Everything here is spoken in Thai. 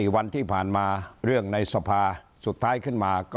วันที่ผ่านมาเรื่องในสภาสุดท้ายขึ้นมาก็